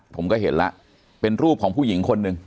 ผมก็เห็นแล้วเป็นรูปของผู้หญิงคนหนึ่ง